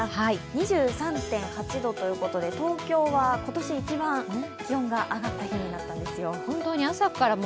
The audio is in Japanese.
２３．８度ということで、東京は今年一番気温が上がった日になったんですよ。